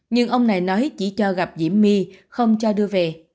nhưng ông này nói chỉ cho gặp diễm my không cho đưa về